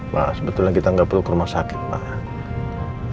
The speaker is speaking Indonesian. mas sebetulnya kita nggak perlu ke rumah sakit mas